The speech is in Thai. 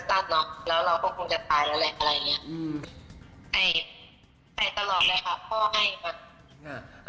ใช่ตลอดเลยค่ะพ่อให้มา